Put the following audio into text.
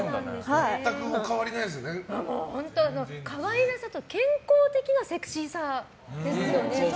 可愛さと健康的なセクシーさですよね。